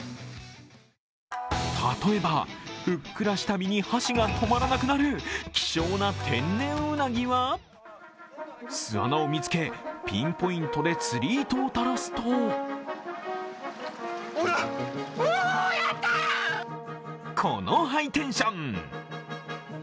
例えばふっくらした身に箸が止まらなく希少な天然うなぎは巣穴を見つけ、ピンポイントで釣り糸を垂らすとこのハイテンション。